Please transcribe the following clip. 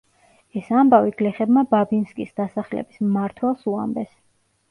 ეს ამბავი გლეხებმა ბაბინსკის დასახლების მმართველს უამბეს.